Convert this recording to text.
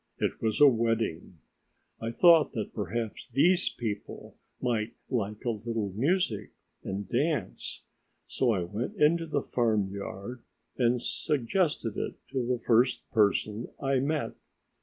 It was a wedding. I thought that perhaps these people might like a little music and dance, so I went into the farmyard and suggested it to the first person that I met.